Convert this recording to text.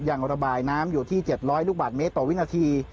ยังระบายน้ำอยู่ที่๗๐๐ลูกบาทเมตรต่อวินาที